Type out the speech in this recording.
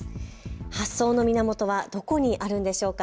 発想の源はどこにあるんでしょうか。